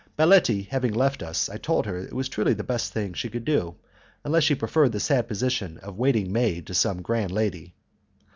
Baletti having left us, I told her it was truly the best thing she could do, unless she preferred the sad position of waiting maid to some grand lady.